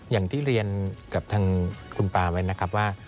อย่างที่เรียนกับทางคุณป้าไว้นะครับว่า